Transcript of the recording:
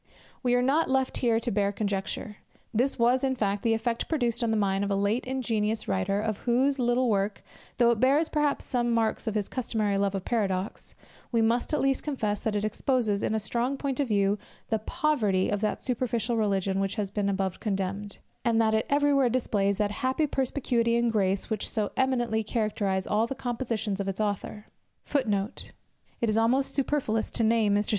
We are not left here to bare conjecture. This was, in fact, the effect produced on the mind of a late ingenious writer, of whose little work, though it bears perhaps some marks of his customary love of paradox, we must at least confess, that it exposes, in a strong point of view, the poverty of that superficial religion which has been above condemned; and that it every where displays that happy perspicuity, and grace, which so eminently characterize all the compositions of its author.